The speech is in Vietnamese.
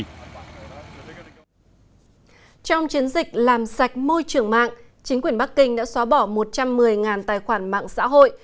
trong chiến dịch làm sạch môi trường mạng chính quyền bắc kinh đã xóa bỏ một trăm một mươi tài khoản mạng xã hội